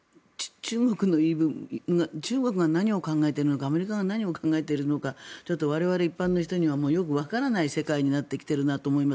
中国が何を考えているのかアメリカが何を考えているのか我々一般の人にはよくわからない世界になってきているなと思います。